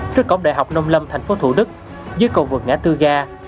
trước cổng đại học nông lâm tp thủ đức dưới cầu vượt ngã tư ga